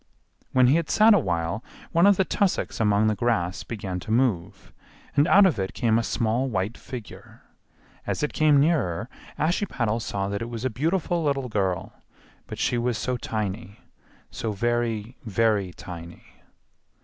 When he had sat a while one of the tussocks among the grass began to move, and out of it came a small white figure; as it came nearer Ashiepattle saw that it was a beautiful little girl, but she was so tiny, so very, very tiny.